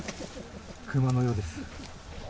クマのようです。